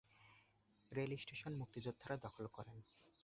Rail station মুক্তিযোদ্ধারা দখল করেন।